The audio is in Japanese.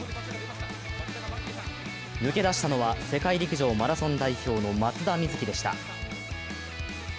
抜け出したのは、世界陸上マラソン代表の松田瑞生でした。